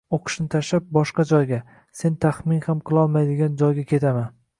O`qishni tashlab, boshqa joyga, sen taxmin ham qilolmaydigan joyga ketaman